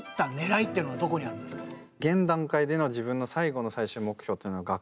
現段階での自分の最後の最終目標っていうのははあ。